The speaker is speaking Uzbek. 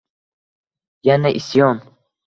Yana isyon